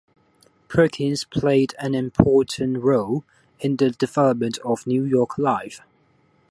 Perkins played an important role in the development of New York Life.